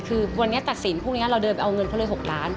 คือวันนี้ตัดสินพรุ่งนี้เราเดินไปเอาเงินเขาเลย๖ล้าน